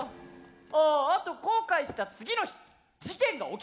ああと後悔した次の日事件が起きた。